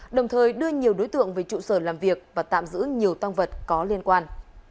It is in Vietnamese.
đồng thời đưa nhiều đối tượng về trụ sở làm việc và tạm giữ nhiều tăng vật có liên quan